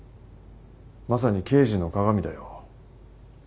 まさに刑事の鑑だよ。